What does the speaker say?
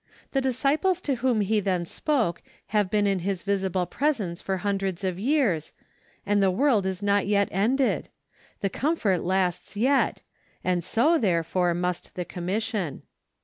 The disciples to whom He then spoke, have been in His visible presence for hundreds of years, and the world is not yet ended; the comfort lasts yet, and so, therefore, must the commission.